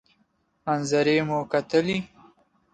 منظرې مو کتلې.